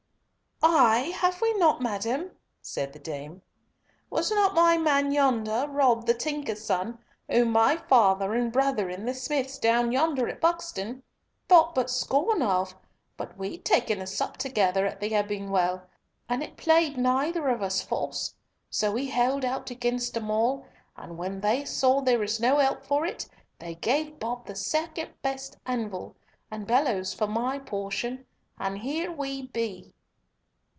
"Ay! have we not, madam?" said the dame. "Was not my man yonder, Rob, the tinker's son, whom my father and brethren, the smiths down yonder at Buxton, thought but scorn of, but we'd taken a sup together at the Ebbing Well, and it played neither of us false, so we held out against 'em all, and when they saw there was no help for it, they gave Bob the second best anvil and bellows for my portion, and here we be."